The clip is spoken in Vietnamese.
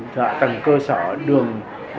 thực ra tầng cơ sở đường